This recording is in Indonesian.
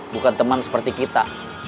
bukan temen seperti kita